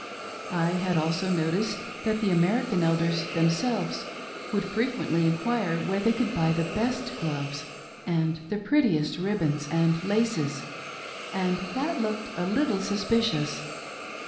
I had also noticed that the American Elders themselves would frequently enquire where they could buy the best gloves and the prettiest ribbons and laces, and that looked a little suspicious.